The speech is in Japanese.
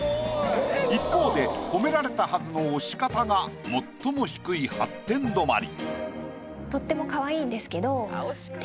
一方で褒められたはずの押し方が最も低い８点止まり。